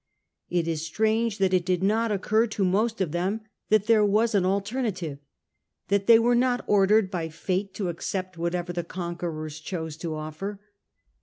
It is strange that it did not occur to most of them that there was an alternative ; that they were not ordered by fate to accept whatever the conquerors chose to offer.